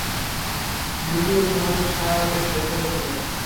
লুলুও তোমাদের সাথে শেল্টারে ছিল।